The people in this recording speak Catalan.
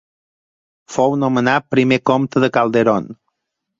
Fou nomenat primer comte de Calderón.